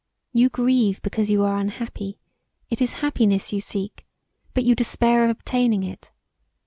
You grieve because you are unhappy[;] it is happiness you seek but you despair of obtaining it.